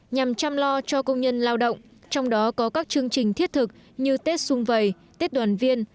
nhằm chăm lo cho công nhân lao động trong đó có các chương trình thiết thực như tết sung vầy tết đoàn viên